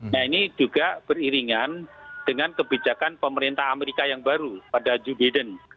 nah ini juga beriringan dengan kebijakan pemerintah amerika yang baru pada joe biden